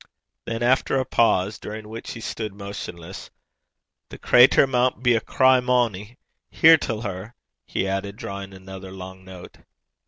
Then after a pause, during which he stood motionless: 'The crater maun be a Cry Moany! Hear till her!' he added, drawing another long note.